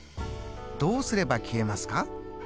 どうすれば消えますか？